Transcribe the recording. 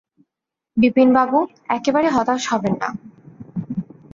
বিপিনবাবু, একেবারে হতাশ হবেন না।